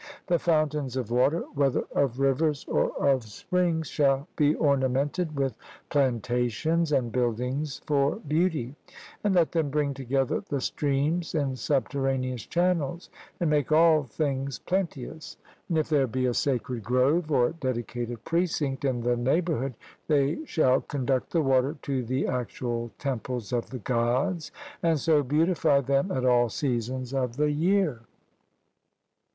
The fountains of water, whether of rivers or of springs, shall be ornamented with plantations and buildings for beauty; and let them bring together the streams in subterraneous channels, and make all things plenteous; and if there be a sacred grove or dedicated precinct in the neighbourhood, they shall conduct the water to the actual temples of the Gods, and so beautify them at all seasons of the year.